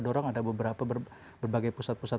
dorong ada beberapa berbagai pusat pusat